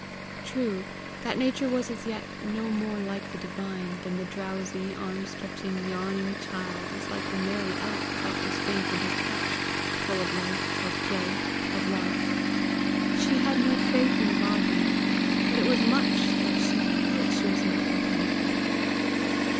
True, that nature was as yet no more like the divine, than the drowsy, arm stretching, yawning child is like the merry elf about to spring from his couch, full of life, of play, of love. She had no faith in God yet, but it was much that she felt she was not worth anything.